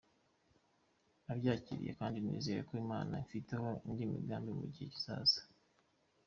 Nabyakiriye kandi nizeye ko Imana imfiteho indi migambi mu gihe kizaza.